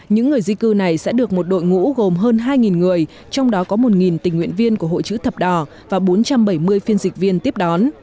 những người di cư này sẽ được một đội ngũ gồm hơn hai người trong đó có một tình nguyện viên của hội chữ thập đỏ và bốn trăm bảy mươi phiên dịch viên tiếp đón